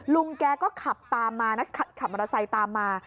ลุงแกก็ขับตามมานะขับมอเตอร์ไซค์ตามมา